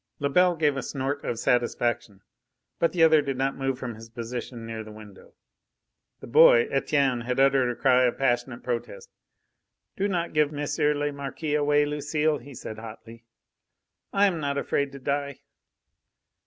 Lebel gave a snort of satisfaction; but the other did not move from his position near the window. The boy, Etienne, had uttered a cry of passionate protest. "Do not give M. le Marquis away, Lucile!" he said hotly. "I am not afraid to die."